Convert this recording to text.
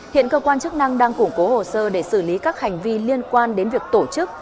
hiện cơ quan chức năng đang củng cố hồ sơ để xử lý các hành vi liên quan đến việc tổ chức